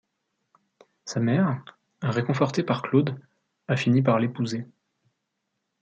Sa mère, réconfortée par Claude, a fini par l'épouser.